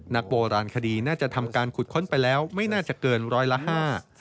นักโบราณคดีน่าจะทำการขุดค้นไปแล้วไม่น่าจะเกินร้อยละห้า